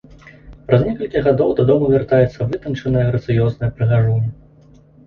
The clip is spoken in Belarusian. Праз некалькі гадоў дадому вяртаецца вытанчаная, грацыёзная прыгажуня.